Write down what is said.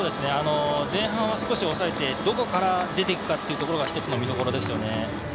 前半は少し抑えてどこから出ていくかが１つの見どころですよね。